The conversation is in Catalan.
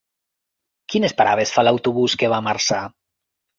Quines parades fa l'autobús que va a Marçà?